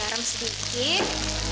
nasi goreng sedikit